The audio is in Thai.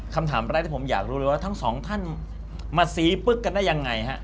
คำถามแรกที่ผมอยากรู้เลยว่าทั้งสองท่านมาซี้ปึ๊กกันได้ยังไงฮะ